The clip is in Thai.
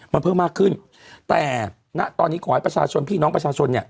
มันเพิ่มมากขึ้นแต่ตอนนี้กรมนี้ก่อให้ประชาชน